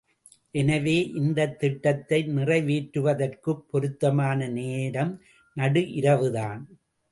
எனவே இந்தத் திட்டத்தை நிறைவேற்றுவதற்குப் பொருத்தமான நேரம் நடு இரவுதான்.